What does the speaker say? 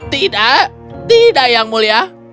tidak tidak yang mulia